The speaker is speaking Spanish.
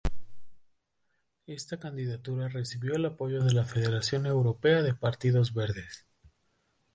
Esta candidatura recibió el apoyo de la Federación Europea de Partidos Verdes.